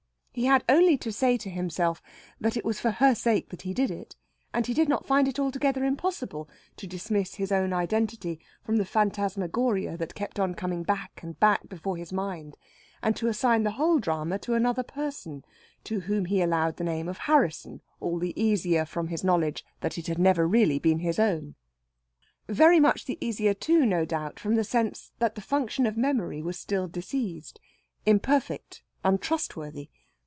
He had only to say to himself that it was for her sake that he did it, and he did not find it altogether impossible to dismiss his own identity from the phantasmagoria that kept on coming back and back before his mind, and to assign the whole drama to another person; to whom he allowed the name of Harrisson all the easier from his knowledge that it never had been really his own. Very much the easier, too, no doubt, from the sense that the function of memory was still diseased, imperfect, untrustworthy.